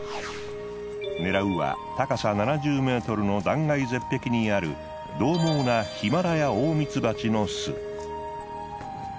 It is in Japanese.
狙うは高さ７０ｍの断崖絶壁にあるどう猛なヒマラヤオオミツバチの巣。